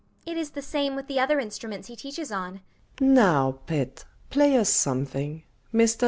It is the same with the other instruments he teaches on. MRS. N. Now, pet, play us something. Mr.